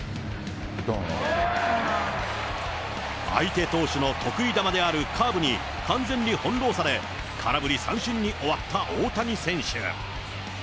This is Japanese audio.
相手投手の得意球であるカーブに、完全に翻弄され、空振り三振に終わった大谷選手。